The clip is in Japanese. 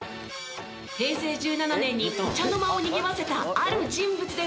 平成１７年にお茶の間をにぎわせたある人物です。